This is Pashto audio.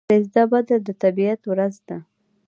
سیزده بدر د طبیعت ورځ ده.